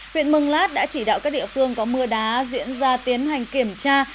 huyện mường lát đã chỉ đạo các địa phương có mưa đá diễn ra tiến hành kiểm tra